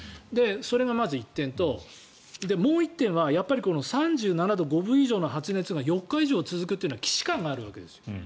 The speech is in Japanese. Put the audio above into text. それがまず１点ともう１点は３７．５度以上の発熱が４日以上続くというのは既視感があるわけです。